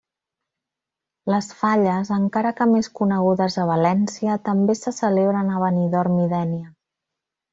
Les Falles, encara que més conegudes a València, també se celebren a Benidorm i Dénia.